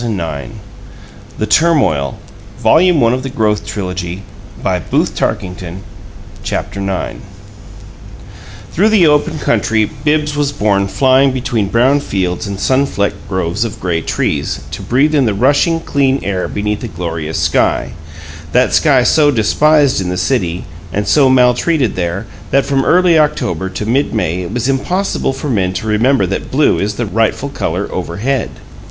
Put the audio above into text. "Talk about the weather? I will! God bless the old weather!" cried the happy Jim. CHAPTER IX Through the open country Bibbs was borne flying between brown fields and sun flecked groves of gray trees, to breathe the rushing, clean air beneath a glorious sky that sky so despised in the city, and so maltreated there, that from early October to mid May it was impossible for men to remember that blue is the rightful color overhead.